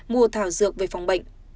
mua thảo dược về phòng bệnh